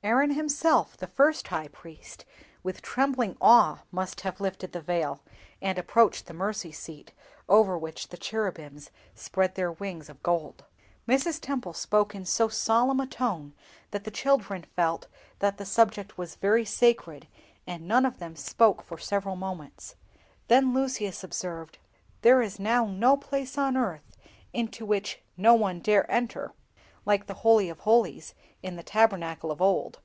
Aaron himself, the first High Priest, with trembling awe must have lifted the Veil, and approached the Mercy seat over which the cherubims spread their wings of gold!" Mrs. Temple spoke in so solemn a tone that the children felt that the subject was very sacred, and none of them spoke for several moments. Then Lucius observed—"There is now no place on earth into which no one dare enter, like the Holy of holies in the Tabernacle of old."